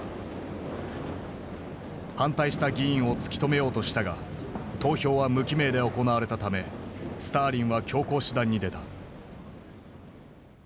反対した議員を突き止めようとしたが投票は無記名で行われたためスターリンは強硬手段に出た。